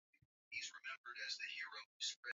Nyumba ilipangwa vyema na kuwekwa vitu vya thamani sana